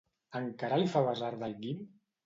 Encara li fa basarda al Guim?